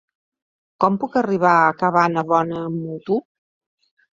Com puc arribar a Cabanabona amb moto?